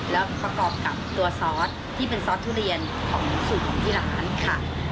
แล้วประกอบกับตัวซอสที่เป็นซอสทุเรียนของสูตรของที่ร้านค่ะ